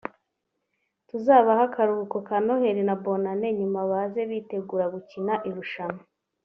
tuzabahe akaruhuko ka Noheli na Bonane nyuma baze bitegura gukina irushanwa